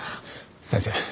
先生。